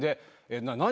何？